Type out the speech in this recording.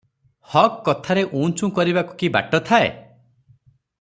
ହକ୍ କଥାରେ ଉଁ ଚୁ କରିବାକୁ କି ବାଟ ଥାଏ?